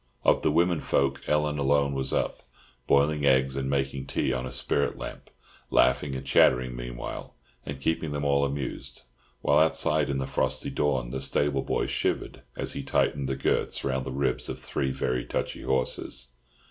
Of the women folk, Ellen alone was up, boiling eggs, and making tea on a spirit lamp; laughing and chattering meanwhile, and keeping them all amused; while outside in the frosty dawn, the stable boy shivered as he tightened the girths round the ribs of three very touchy horses.